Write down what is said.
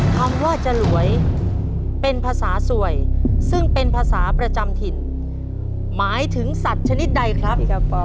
คำว่าจลวยเป็นภาษาสวยซึ่งเป็นภาษาประจำถิ่นหมายถึงสัตว์ชนิดใดครับ